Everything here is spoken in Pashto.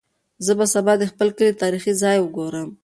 زه به سبا د خپل کلي تاریخي ځای وګورم.